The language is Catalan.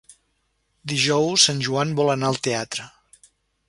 Dijous en Joan vol anar al teatre.